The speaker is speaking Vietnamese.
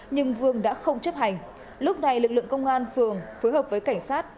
nhưng vương đã không chấp hành lúc này lực lượng công an phường phối hợp với cảnh sát